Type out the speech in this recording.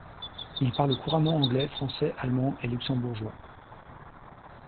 Il parle couramment anglais, français, allemand et luxembourgeois.